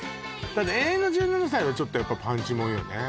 ただ「永遠の１７歳」はちょっとやっぱパンチもんよね